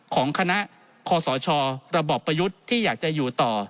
ของคณะคศระบอบประยุทธ์ที่อยากจะอยู่ต่อ